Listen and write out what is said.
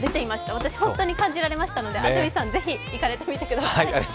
私、本当に感じられましたので安住さん、ぜひ行かれてみてください。